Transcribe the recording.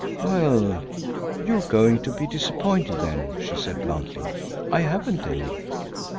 "Well, you're going to be disappointed, then," she said bluntly. "I haven't any."